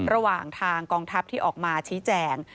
ระหว่างทางกองทัพที่ออกมาชี้แจง